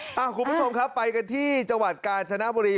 คุณผู้ชมครับไปกันที่จังหวัดกาญจนบุรี